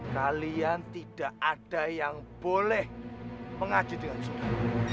kalian tidak ada yang boleh mengaji dengan sudah